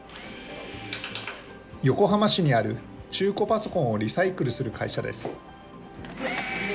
横浜市にある中古パソコンをリサイクルする会社です。